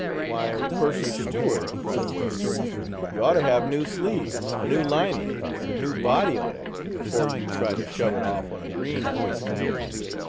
"Why, Purser's Steward," cried a waister, "you ought to have new sleeves, a new lining, and a new body on it, afore you try to shove it off on a greenhorn."